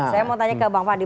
saya mau tanya ke bang fadli